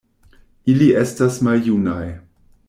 Ili estas maljunaj.